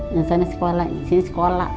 yang sana sekolah yang sini sekolah